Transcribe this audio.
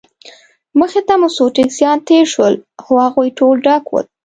مخې ته مو څو ټکسیان تېر شول، خو هغوی ټول ډک ول.